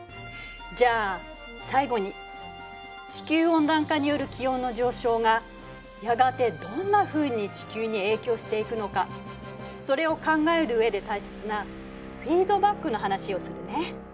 じゃあ最後に地球温暖化による気温の上昇がやがてどんなふうに地球に影響していくのかそれを考える上で大切なフィードバックの話をするね。